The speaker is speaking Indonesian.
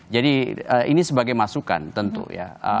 jadi ini sebagai masukan tentu ya